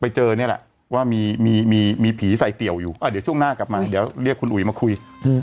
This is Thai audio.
เจอนี่แหละว่ามีมีผีใส่เตี่ยวอยู่เดี๋ยวช่วงหน้ากลับมาเดี๋ยวเรียกคุณอุ๋ยมาคุย